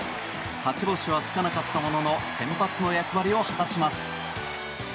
勝ち星はつかなかったものの先発の役割を果たします。